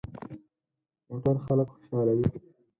موټر خلک خوشحالوي.